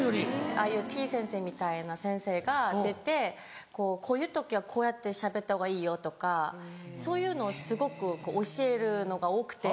ああいうてぃ先生みたいな先生が出てこういう時はこうやってしゃべったほうがいいよとかそういうのをすごく教えるのが多くて。